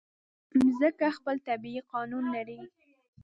مځکه خپل طبیعي قانون لري.